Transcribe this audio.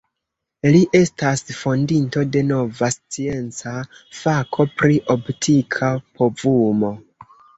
Li estas fondinto de nova scienca fako pri optika povumo.